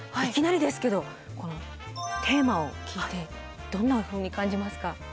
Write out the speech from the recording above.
いきなりですけどこのテーマを聞いてどんなふうに感じますか？